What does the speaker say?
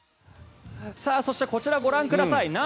そしてこちらご覧ください。